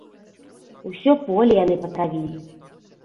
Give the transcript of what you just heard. Усё поле яны патравілі.